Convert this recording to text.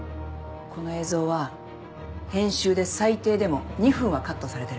この映像は編集で最低でも２分はカットされてる。